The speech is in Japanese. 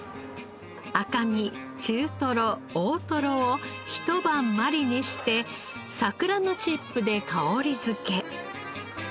赤身中トロ大トロを一晩マリネして桜のチップで香り付け。